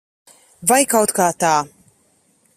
Vai kaut kā tā.